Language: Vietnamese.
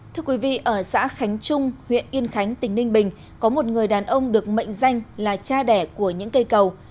thưa quý vị ở xã khánh trung huyện yên khánh tỉnh ninh bình có một người đàn ông được mệnh danh là cha đẻ của những cây cầu